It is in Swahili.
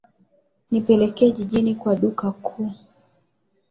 Nipeleke jijini kwa duka kuu.